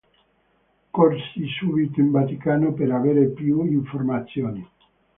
Corsi subito in Vaticano per avere più informazioni.